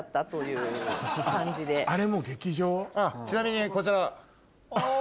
ちなみにこちら。